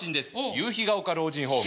夕日が丘老人ホーム。